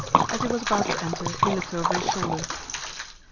As he was about to enter he looked over his shoulder.